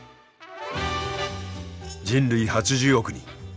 人類８０億人。